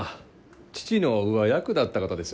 父の上役だった方です。